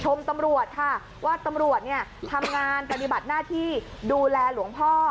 ตำรวจค่ะว่าตำรวจเนี่ยทำงานปฏิบัติหน้าที่ดูแลหลวงพ่อ